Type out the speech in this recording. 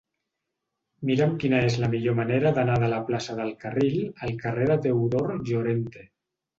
Mira'm quina és la millor manera d'anar de la plaça del Carril al carrer de Teodor Llorente.